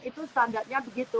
itu standarnya begitu